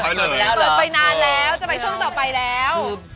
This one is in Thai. ช่วยนานแล้วจะไปช่วงต่อไปแล้ว